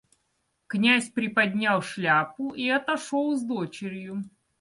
Князь приподнял шляпу и отошел с дочерью.